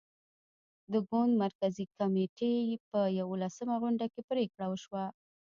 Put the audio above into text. د ګوند مرکزي کمېټې په یوولسمه غونډه کې پرېکړه وشوه.